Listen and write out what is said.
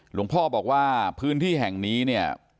หลวงพ่อบอกว่าพื้นที่แห่งนี้เนี่ย